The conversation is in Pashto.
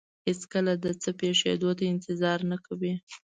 هېڅکله د څه پېښېدو ته انتظار نه کوي.